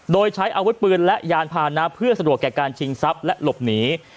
โดยใช้อาวุธปืนและยานพานะเพื่อสะดวกแก่การชิงทรัพย์และหลบหนี